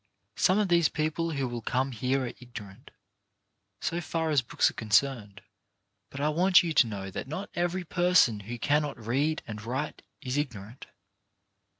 Some of these people who will come here are ignorant, so far as books are concerned, but I want you to know that not every person who cannot read and write is ignorant.